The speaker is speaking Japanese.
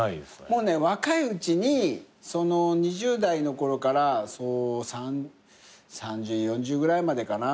もうね若いうちに２０代の頃から３０４０ぐらいまでかな。